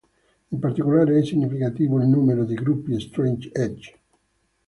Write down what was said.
In particolare, è significativo il numero di gruppi straight edge.